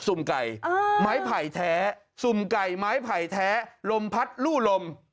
ุ่มไก่ไม้ไผ่แท้สุ่มไก่ไม้ไผ่แท้ลมพัดลู่ลม